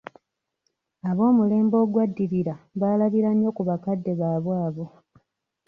Ab'omulembe ogwaddirira baalabira nnyo ku bakadde baabwe abo.